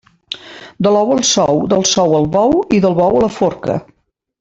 De l'ou al sou, del sou al bou, i del bou a la forca.